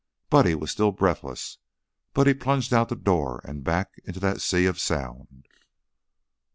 Buddy was still breathless, but he plunged out the door and back into that sea of sound.